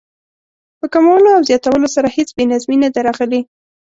په کمولو او زیاتولو سره هېڅ بې نظمي نه ده راغلې.